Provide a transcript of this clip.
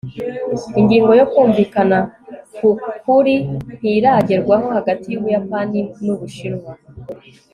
ingingo yo kumvikana kwukuri ntiragerwaho hagati yubuyapani nu bushinwa